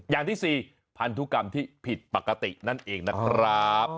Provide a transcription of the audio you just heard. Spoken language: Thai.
อย่างที่๔พันธุกรรมที่ผิดปกตินั่นเองนะครับ